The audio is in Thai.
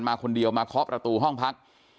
มาคนเดียวมาเคาะประตูห้องพัก